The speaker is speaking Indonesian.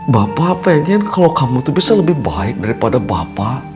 bapak pengen kalau kamu itu bisa lebih baik daripada bapak